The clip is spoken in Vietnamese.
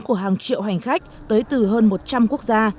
của hàng triệu hành khách tới từ hơn một trăm linh quốc gia